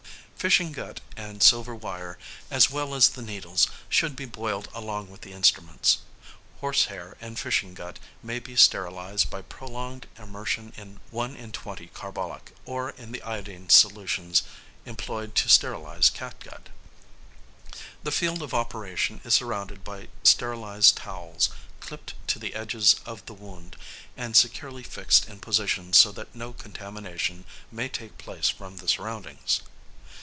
Fishing gut and silver wire, as well as the needles, should be boiled along with the instruments. Horse hair and fishing gut may be sterilised by prolonged immersion in 1 in 20 carbolic, or in the iodine solutions employed to sterilise catgut. The field of operation is surrounded by sterilised towels, clipped to the edges of the wound, and securely fixed in position so that no contamination may take place from the surroundings.